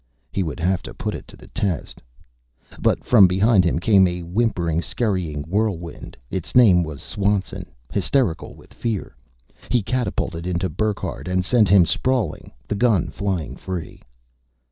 He would have put it to the test But from behind him came a whimpering, scurrying whirlwind; its name was Swanson, hysterical with fear. He catapulted into Burckhardt and sent him sprawling, the gun flying free.